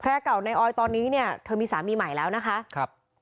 เก่าในออยตอนนี้เนี่ยเธอมีสามีใหม่แล้วนะคะครับ